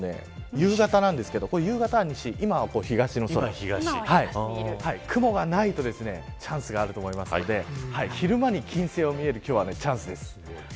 夕方なんですけど夕方は西、今は東の空雲がないとチャンスがあると思いますので昼間に金星が見える今日はチャンスです。